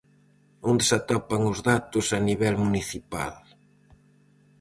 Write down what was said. Onde se atopan os datos a nivel municipal?